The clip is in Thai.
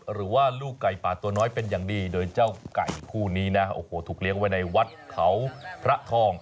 หรือว่าลูกไก่ป่าตัวน้อยเป็นอย่างดีโดยเจ้าไก่ผู้นี้นะโอ้โหถูกเลี้ยงไว้ในวัดเขาพระทอง